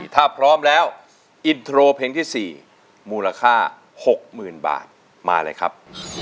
ถ้าพร้อมแล้วอินโทรเพลงที่๔มูลค่า๖๐๐๐บาทมาเลยครับ